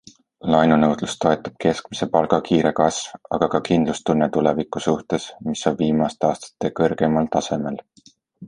Laenunõudlust toetab keskmise palga kiire kasv, aga ka kindlustunne tuleviku suhtes, mis on viimaste aastate kõrgeimal tasemel.